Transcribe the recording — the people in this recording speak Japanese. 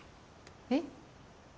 えっ？